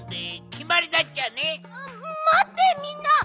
まってみんな！